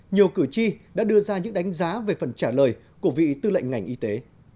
nhiều cử tri đã đưa ra những đánh giá về phần trả lời của vị tư lệnh ngành y tế